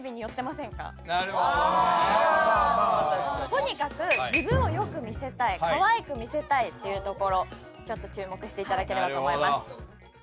とにかく自分を良く見せたい可愛く見せたいっていうところちょっと注目していただければと思います。